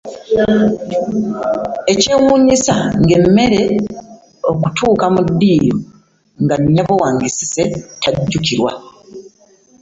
Ekyewuunyisa ng'emmere okutuuka mu ddiiro nga nnyabo wange Cissy tajjukirwa.